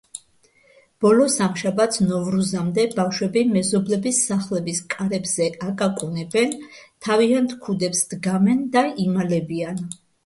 ბოლო სამშაბათს, ნოვრუზამდე, ბავშვები მეზობლების სახლების კარებზე აკაკუნებენ, თავიანთ ქუდებს კართან დგამენ და იმალებიან.